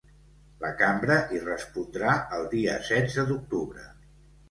La cambra hi respondrà el dia setze d’octubre.